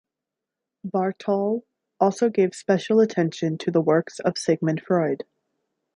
Bartol also gave special attention to the works of Sigmund Freud.